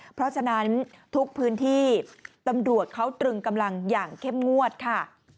เพราะฉะนั้นทุกพื้นที่ตำรวจเขาตรึงกำลังอย่างเข้มงวดค่ะ